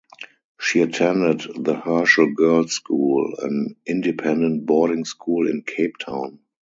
She attended the Herschel Girls School, an independent boarding school in Cape Town.